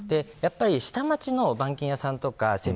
下町の板金屋さんとか整備